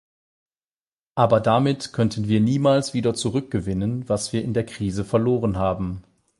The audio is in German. Aber damit könnten wir niemals wieder zurückgewinnen, was wir in der Krise verloren haben.